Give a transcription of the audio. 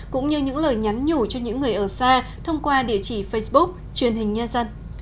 cũng như những lời nhắn nhủ cho những người ở xa thông qua địa chỉ facebook truyền hình nhân dân